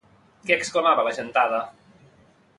Què exclamava la gentada?